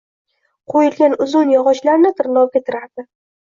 Qo‘yilgan uzun yog‘ochlarni tarnovga tirardi.